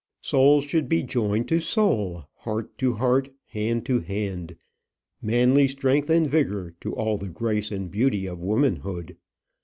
Soul should be joined to soul, heart to heart, hand to hand, manly strength and vigour to all the grace and beauty of womanhood.